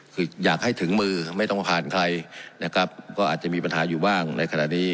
คืออยากให้ถึงมือไม่ต้องผ่านใครนะครับก็อาจจะมีปัญหาอยู่บ้างในขณะนี้